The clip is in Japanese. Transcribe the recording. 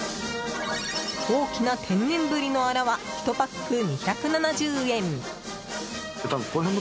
大きな天然ブリのあらは１パック２７０円。